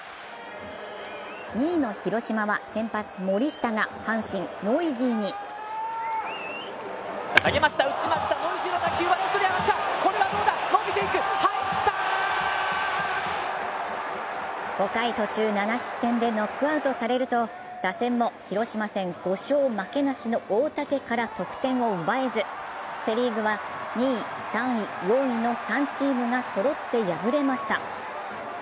２位の広島は先発・森下が阪神・ノイジーに５回途中、７失点でノックアウトされると打線も広島戦５勝負けなしの大竹から得点を奪えず、セ・リーグは２位、３位、４位の３チームがそろって敗れました。